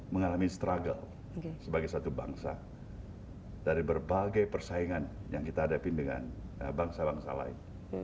mengalami struggle sebagai satu bangsa dari berbagai persaingan yang kita hadapi dengan bangsa bangsa lain